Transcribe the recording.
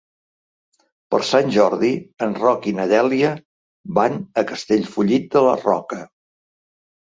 Per Sant Jordi en Roc i na Dèlia van a Castellfollit de la Roca.